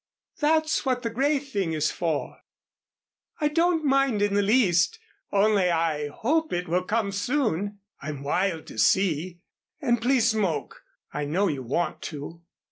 That's what the grey thing is for. I don't mind in the least; only I hope it will come soon. I'm wild to see. And please smoke. I know you want to."